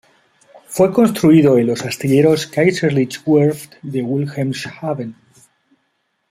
Fue construido en los astilleros Kaiserliche Werft de Wilhelmshaven.